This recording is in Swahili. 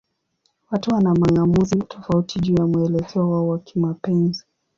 Watu wana mang'amuzi tofauti juu ya mwelekeo wao wa kimapenzi.